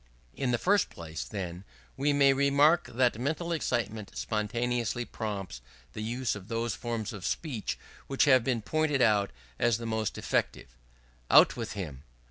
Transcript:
In the first place, then, we may remark that mental excitement spontaneously prompts the use of those forms of speech which have been pointed out as the most effective. "Out with him!"